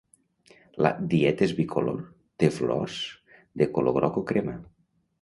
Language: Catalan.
La "Dietes bicolor" té flors de color groc o crema.